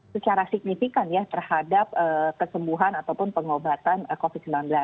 secara signifikan ya terhadap kesembuhan ataupun pengobatan covid sembilan belas